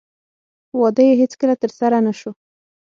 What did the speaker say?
واده یې هېڅکله ترسره نه شو.